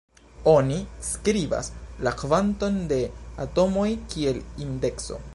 Oni skribas la kvanton de atomoj kiel indekso.